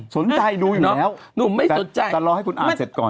สนใจดูอยู่แล้วแต่รอให้คุณอ่าเสร็จก่อน